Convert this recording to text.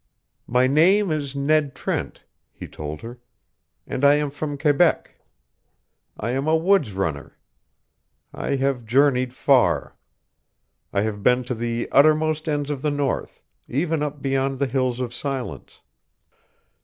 "My name is Ned Trent," he told her, "and I am from Quebec. I am a woods runner. I have journeyed far. I have been to the uttermost ends of the North, even up beyond the Hills of Silence."